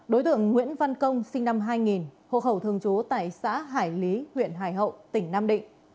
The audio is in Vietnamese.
đối tượng nguyễn văn công sinh năm hai nghìn hộ khẩu thường trú tại xã hải lý huyện hải hậu tỉnh nam định